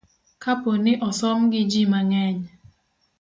ka po ni osom gi ji mang'eny